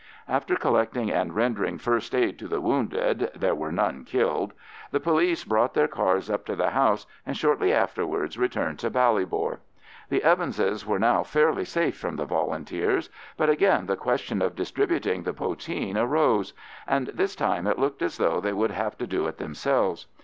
After collecting and rendering first aid to the wounded—there were none killed—the police brought their cars up to the house, and shortly afterwards returned to Ballybor. The Evanses were now fairly safe from the Volunteers, but again the question of distributing the poteen arose, and this time it looked as though they would have to do it themselves.